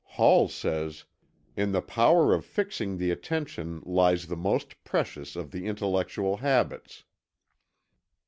Hall says: "In the power of fixing the attention lies the most precious of the intellectual habits."